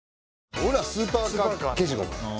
俺らはスーパーカー消しゴム。